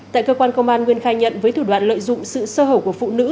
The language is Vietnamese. tại cơ quan công an nguyên khai nhận với thủ đoạn lợi dụng sự sơ hở của phụ nữ